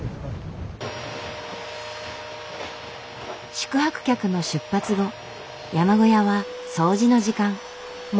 宿泊客の出発後山小屋は掃除の時間。